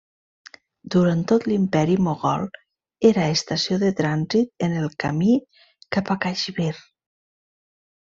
Durant tot l'Imperi Mogol era estació de trànsit en el camí cap a Caixmir.